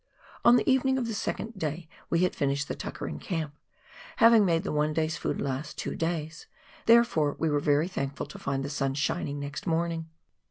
On the evening of the second wet day we had finished the " tucker " in camp, having made the one day's food last two days, therefore we were very thankful to find the sun shining next morning.